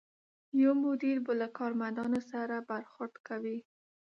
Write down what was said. یو مدیر به له کارمندانو سره برخورد کوي.